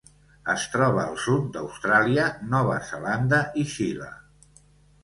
Es troba al sud d'Austràlia, Nova Zelanda i Xile.